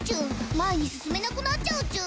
前に進めなくなっちゃうチュン。